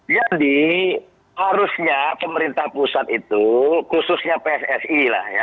jadi harusnya pemerintah pusat itu khususnya pssi lah ya